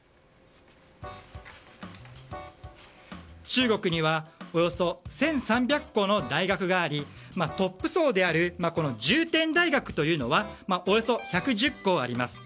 中国にはおよそ１３００校の大学がありトップ層である重点大学というのはおよそ１１０校あります。